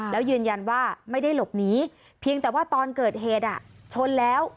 แล้วยืนยันว่าไม่ได้หลบหนีเพียงแต่ว่าตอนเกิดเหตุชนแล้ว